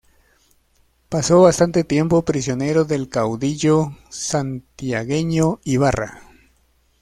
Pasó bastante tiempo prisionero del caudillo santiagueño Ibarra.